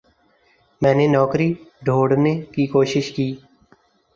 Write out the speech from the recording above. میں نے نوکری ڈھوڑھنے کی کوشش کی۔